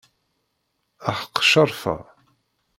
Aḥeq Ccerfa.